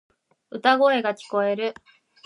歌声が聞こえる。